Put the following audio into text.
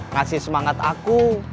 ngasih semangat aku